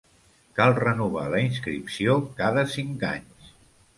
Cal renovar la inscripció cada cinc anys.